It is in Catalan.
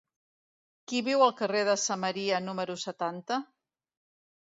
Qui viu al carrer de Samaria número setanta?